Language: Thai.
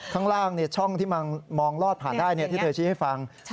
ข้างล่างเนี่ยช่องที่มองมองรอดผ่านได้เนี่ยที่เธอชิ้นให้ฟังใช่